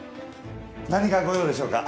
何かご用でしょうか？